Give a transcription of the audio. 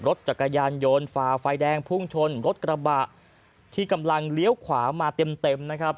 รถจักรยานยนต์ฝ่าไฟแดงพุ่งชนรถกระบะที่กำลังเลี้ยวขวามาเต็มเต็มนะครับ